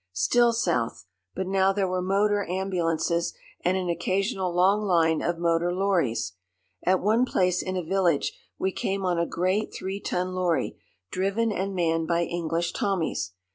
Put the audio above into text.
Still south. But now there were motor ambulances and an occasional long line of motor lorries. At one place in a village we came on a great three ton lorry, driven and manned by English Tommies.